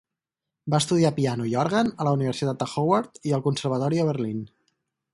Va estudiar piano i òrgan a la Universitat de Howard i al Conservatori Oberlin.